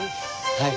はい。